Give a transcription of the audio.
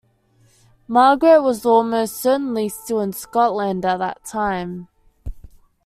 Margaret was almost certainly still in Scotland at the time.